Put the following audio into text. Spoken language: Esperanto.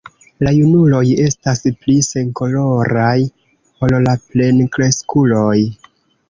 La junuloj estas pli senkoloraj ol la plenkreskuloj.